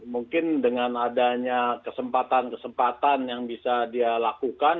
mungkin dengan adanya kesempatan kesempatan yang bisa dia lakukan